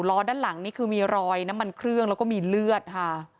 ล้อด้านหลังนี่คือมีรอยน้ำมันเครื่องแล้วก็มีเลือดค่ะ